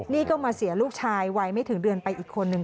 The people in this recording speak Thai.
นี่ก็มาเสียลูกชายวัยไม่ถึงเดือนไปอีกคนนึง